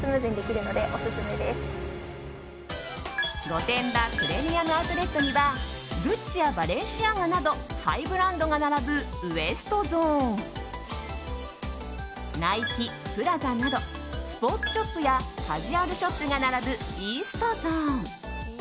御殿場プレミアム・アウトレットにはグッチやバレンシアガなどハイブランドが並ぶウエストゾーンナイキ、プラザなどスポーツショップやカジュアルショップが並ぶイーストゾーン。